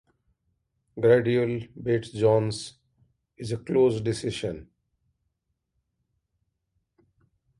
Giardello beat Jones in a close decision.